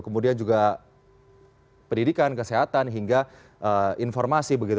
kemudian juga pendidikan kesehatan hingga informasi begitu